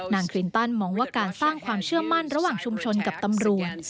คลินตันมองว่าการสร้างความเชื่อมั่นระหว่างชุมชนกับตำรวจ